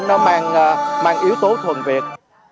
nó mang yếu tố thuần việt